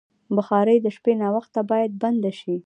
بخاري د شپې ناوخته باید بنده شي.